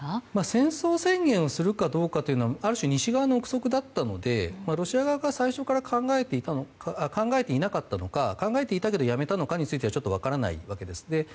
戦争宣言をするかどうかというのはある種、西側の憶測だったのでロシア側が最初から考えていなかったのか考えていたけどやめたのかについてはちょっと分からないわけです。